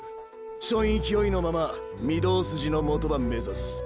そん勢いのまま御堂筋のもとば目指す。